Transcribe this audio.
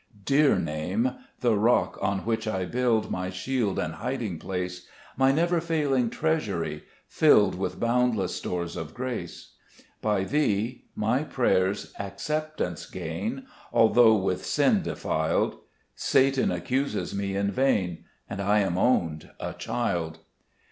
3 Dear Name ! the Rock on which I build, My Shield and Hiding place, My never failing Treasury, filled With boundless stores of grace ; 4 By Thee my prayers acceptance gain, Although with sin defiled ; Satan accuses me in vain, And I am owned a child.